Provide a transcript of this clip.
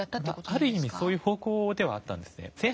ある意味そういう方向ではあったんですね。